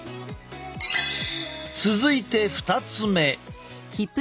続いて２つ目。